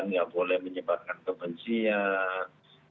nggak boleh menyebarkan kebencian